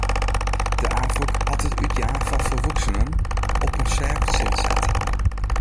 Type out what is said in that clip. De Afûk hat it útjaan foar folwoeksenen op in sêft sin set.